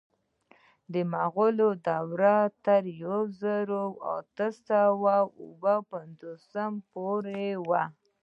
د مغولو دوره تر یو زر اته سوه اوه پنځوس پورې وه.